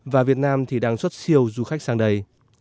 và việt nam thì đang xuất siêu du khách sang đây